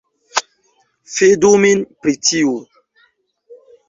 Fidu min pri tiu